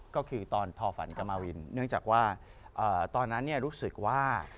ก็คือตอนทอฝันกับมาวินเนื่องจากว่าตอนนั้นรู้สึกว่า